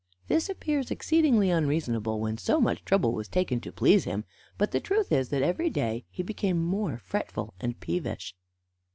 This appears exceedingly unreasonable, when so much trouble was taken to please him; but the truth is that every day he became more fretful and peevish.